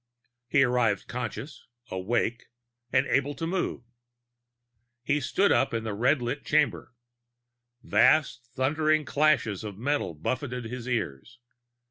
He arrived conscious, awake and able to move. He stood up in a red lit chamber. Vast thundering crashes of metal buffeted his ears.